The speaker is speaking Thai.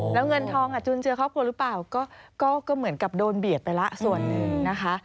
แล้วเงินทองจุนเจือครอบครัวหรือเปล่าก็เหมือนกับโดนเบียดไปละส่วนหนึ่งนะคะ